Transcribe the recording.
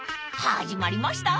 ［始まりました